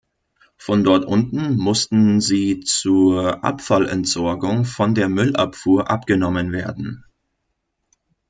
Von dort mussten sie zur Abfallentsorgung von der Müllabfuhr abgenommen werden.